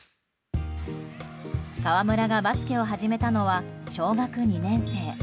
河村がバスケを始めたのは小学２年生。